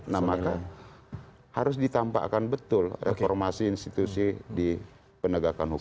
nah maka harus ditampakkan betul reformasi institusi di penegakan hukum